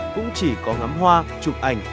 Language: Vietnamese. cũng chỉ có ngắm hoa chụp ảnh